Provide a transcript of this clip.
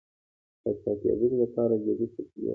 پاچاکېدلو لپاره جدي تبلیغ وکړي.